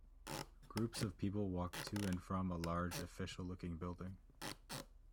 Groups of people walk to and from a large, official looking building.